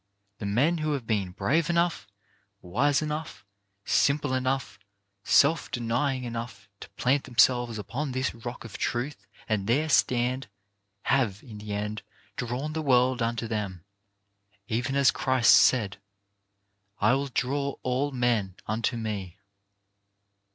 The men who have been brave enough , wise enough, simple enough, self denying enough to SING THE OLD SONGS 253 plant themselves upon this rock of truth and there stand, have, in the end, drawn the world unto them, even as Christ said: "I will draw all men unto me."